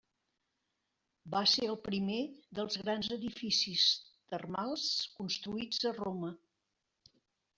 Van ser el primer dels grans edificis termals construïts a Roma.